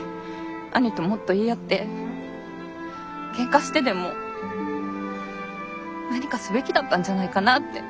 兄ともっと言い合ってけんかしてでも何かすべきだったんじゃないかなって。